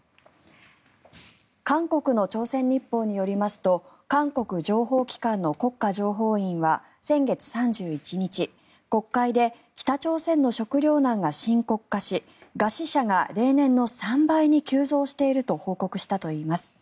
韓国の朝鮮日報によりますと韓国情報機関の国家情報院は先月３１日国会で、北朝鮮の食糧難が深刻化し餓死者が例年の３倍に急増していると報告したといいます。